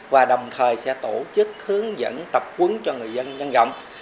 và đồng thời sẽ tổ chức hướng dẫn tập quấn cho người dân dân gọng